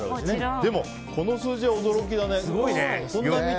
でもこの数字驚きだね。